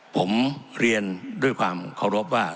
ผมเรียนด้วยความเคารพว่า